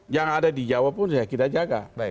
yang ada di jawa pun kita jaga